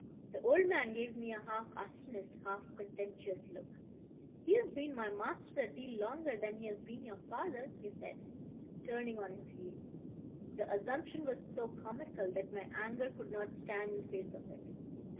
The old man gave me a half astonished, half contemptuous look. "He's been my master a deal longer than he's been your father," he said, turning on his heel. The assumption was so comical that my anger could not stand in face of it.